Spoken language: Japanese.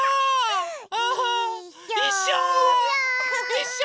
いっしょ！